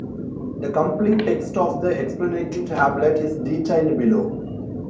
The complete text of the explanatory tablet is detailed below.